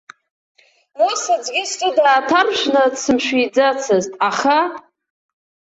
Ус аӡәгьы сҿы дааҭаршәны дсымшәиӡацызт, аха.